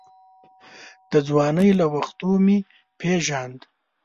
د ځوانۍ له وختو مې پېژاند.